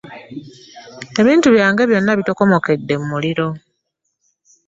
ebintu byange byonna bitokomokedde mu muliro.